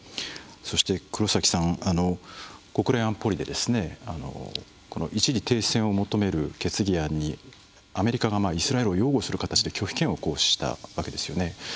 黒崎さん、国連安保理で一時停戦を求める決議案にアメリカがイスラエルを擁護する形で拒否権を行使したわけですよね。